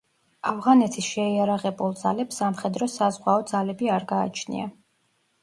ავღანეთის შეარაღებულ ძალებს სამხედრო-საზღვაო ძალები არ გააჩნია.